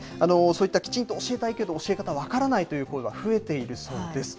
そういったきちんと教えたいけど教え方が分からないという声は増えているそうです。